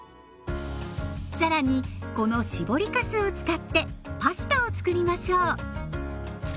更にこの搾りかすを使ってパスタをつくりましょう。